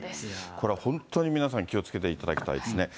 これ、本当に皆さん、気をつけていただきたいですね。